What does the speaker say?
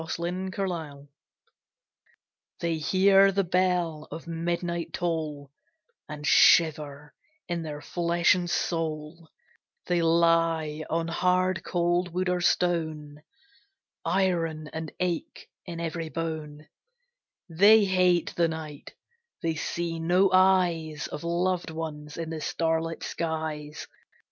NIGHT WANDERERS They hear the bell of midnight toll, And shiver in their flesh and soul; They lie on hard, cold wood or stone, Iron, and ache in every bone; They hate the night: they see no eyes Of loved ones in the starlit skies.